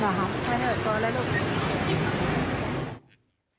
ไปเถอะพอแล้วลูก